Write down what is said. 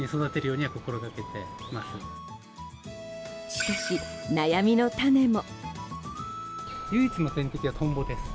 しかし、悩みの種も。